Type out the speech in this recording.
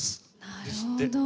なるほど。